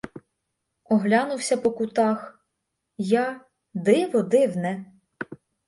Оглянувся по кутах, я — диво дивне!